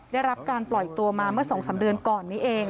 ได้รับการปล่อยตัวมาเมื่อ๒๓เดือนก่อนนี้เอง